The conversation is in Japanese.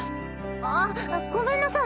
あっごめんなさい。